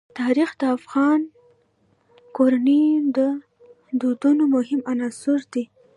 تاریخ د افغان کورنیو د دودونو مهم عنصر دی.